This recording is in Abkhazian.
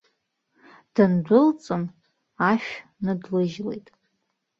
Дындәылҵын, ашә ныдлыжьлеит.